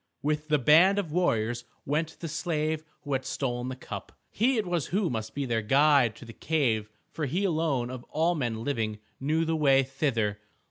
With the band of warriors went the slave who had stolen the cup. He it was who must be their guide to the cave, for he alone of all men living knew the way thither.